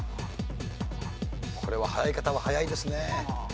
これは早い方は早いですね。